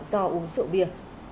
do uống rượu bia